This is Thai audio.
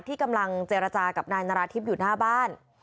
ที่กำลังเจรจากับนายนาราธิบอยู่หน้าบ้าน